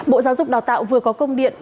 bộ giáo dục đào tạo vừa có công điện